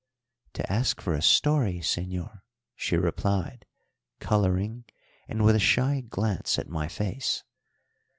"To ask for a story, señor," she replied, colouring and with a shy glance at my face.